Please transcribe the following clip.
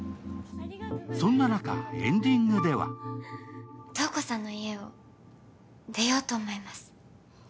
そんな中、エンディングでは瞳子さんの家を出ようと思います。